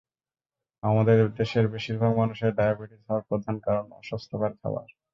আমাদের দেশের বেশির ভাগ মানুষের ডায়াবেটিস হওয়ার প্রধান কারণ অস্বাস্থ্যকর খাবার।